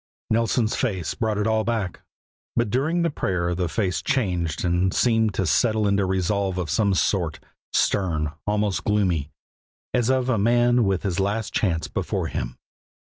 Nelson's face brought it all back; but during the prayer the face changed and seemed to settle into resolve of some sort, stern, almost gloomy, as of a man with his last chance before him.